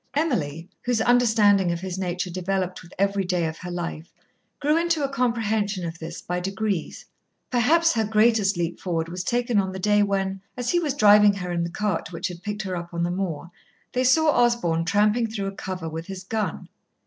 Emily, whose understanding of his nature developed with every day of her life, grew into a comprehension of this by degrees. Perhaps her greatest leap forward was taken on the day when, as he was driving her in the cart which had picked her up on the moor, they saw Osborn tramping through a cover with his gun.